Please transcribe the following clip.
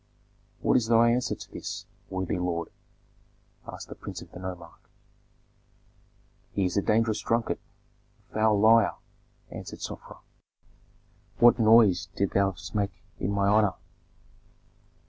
"What is thy answer to this, worthy lord?" asked the prince of the nomarch. "He is a dangerous drunkard, a foul liar," answered Sofra. "What noise didst thou make in my honor?"